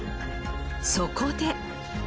そこで。